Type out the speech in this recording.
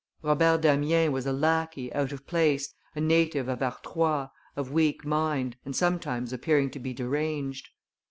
Robert Damiens was a lackey out of place, a native of Artois, of weak mind, and sometimes appearing to be deranged.